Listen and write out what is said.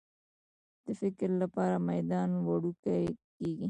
د فکر لپاره میدان وړوکی کېږي.